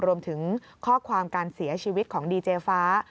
รวมถึงข้อความการเสียชีวิตของดีเจฟ้า